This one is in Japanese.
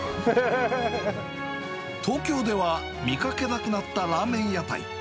東京では見かけなくなったラーメン屋台。